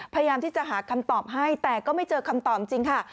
พยายามที่จะหาคำตอบให้แต่ก็ไม่เจอคำตอบจริงค่ะ